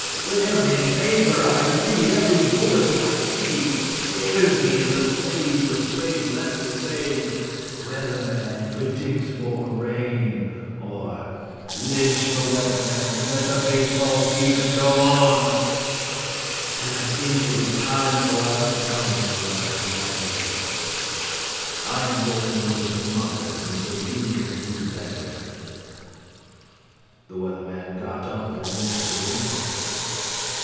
when every paper I read, every bulletin I see, stares me in the face with great letters saying, "Weather Man predicts more rain," or "Lynch the Weather Man and let the baseball season go on," then I think it is time for us to come to an understanding. I am going over to mother's until you can do better.'" The Weather Man got up and went to the window.